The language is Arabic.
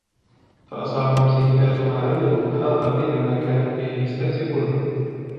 فَأَصَابَهُمْ سَيِّئَاتُ مَا عَمِلُوا وَحَاقَ بِهِمْ مَا كَانُوا بِهِ يَسْتَهْزِئُونَ